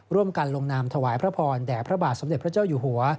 ลงนามถวายพระพรแด่พระบาทสมเด็จพระเจ้าอยู่หัว